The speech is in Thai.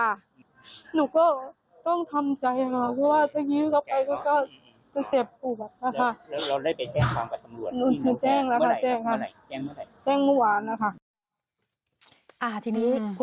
หนูก็ต้องทำใจมาก